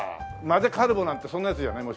混ぜカルボなんてそんなやつじゃない？